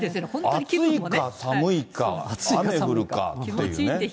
暑いか寒いか、雨降るかっていうね。